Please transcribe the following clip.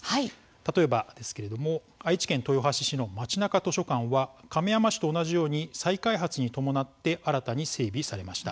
例えばですけれども愛知県豊橋市のまちなか図書館は亀山市と同じように再開発に伴って新たに整備されました。